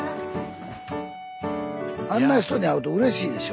あんな人に会うとうれしいでしょ。